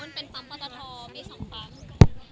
โปรดติดตามตอนต่อไป